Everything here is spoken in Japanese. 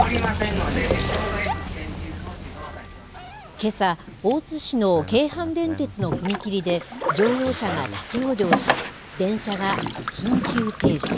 けさ、大津市の京阪電鉄の踏切で、乗用車が立往生し、電車が緊急停止。